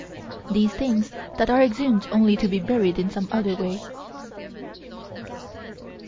These things that are exhumed only to be buried in some other way.